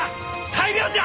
大漁じゃ！